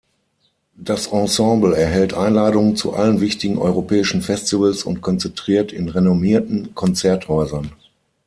Das Ensemble erhält Einladungen zu allen wichtigen europäischen Festivals und konzertiert in renommierten Konzerthäusern.